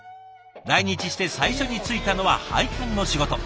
来日して最初に就いたのは配管の仕事。